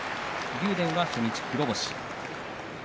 竜電は初日黒星。